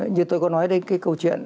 như tôi có nói đến cái câu chuyện